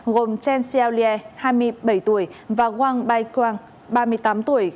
gồm chen xiaolie hai mươi bảy tuổi và wang baikwang ba mươi tám tuổi